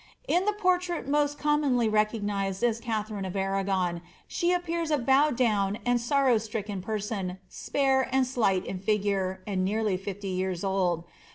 In the portrait most commonly lised as Katharine of Arragon she appears a bowed down and sor tricken person, spare and slight in figure, and near fifty years old.